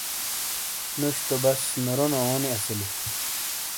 نوش تو بس نرونو اونی اسیلی۔